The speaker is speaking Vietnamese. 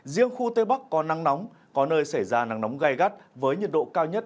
riêng khu tây bắc có nắng nóng có nơi xảy ra nắng nóng gai gắt với nhiệt độ cao nhất